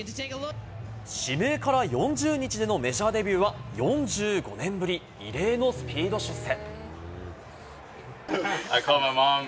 指名から４０日でのメジャーデビューは４５年ぶり、異例のスピード出世。